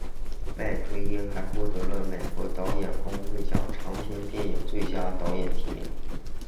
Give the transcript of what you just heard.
麦奎因还获得了美国导演工会奖长片电影最佳导演提名。